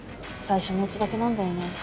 最初のうちだけなんだよね